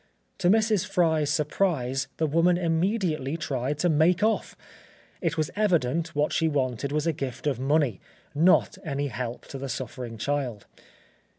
To Mrs. Fry's surprise, the woman immediately tried to make off; it was evident what she wanted was a gift of money, not any help to the suffering child.